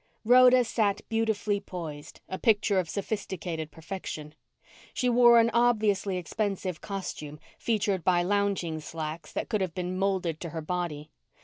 Rhoda sat beautifully poised, a picture of sophisticated perfection. She wore an obviously expensive costume featured by lounging slacks that could have been molded to her body.